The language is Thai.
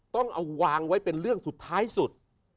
ต้องเอาวางไว้เป็นเรื่องสุดท้ายสุด